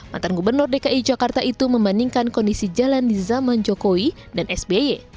mantan gubernur dki jakarta itu membandingkan kondisi jalan di zaman jokowi dan sby